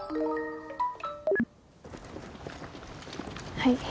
はい。